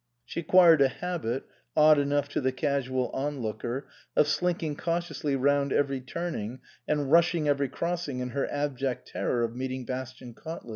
She acquired a habit odd enough to the casual onlooker of slinking cautiously round every turning and rushing every crossing in her abject terror of meeting Bastian Cautley.